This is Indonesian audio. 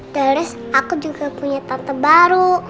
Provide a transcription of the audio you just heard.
terus aku juga punya tante baru